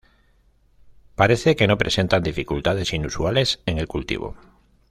Parece que no presentan dificultades inusuales en el cultivo.